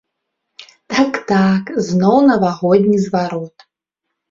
Так-так, зноў навагодні зварот.